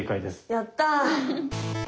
やったぁ！